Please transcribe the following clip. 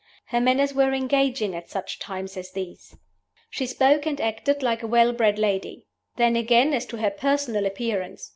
Her manners were engaging at such times as these. She spoke and acted like a well bred lady. Then, again, as to her personal appearance.